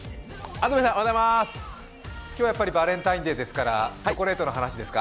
今日はやっぱりバレンタインデーですから、チョコレートの話ですか。